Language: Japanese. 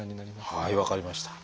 はい分かりました。